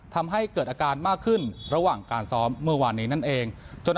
ทำให้เกิดอาการมากขึ้นระหว่างการซ้อมเมื่อวานนี้นั่นเอง